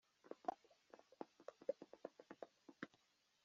aricara Imyambaro ye yeraga nka shelegi